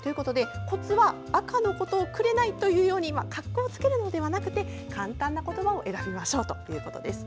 コツは赤のことを紅というように格好つけるのではなくて簡単な言葉を選びましょうということです。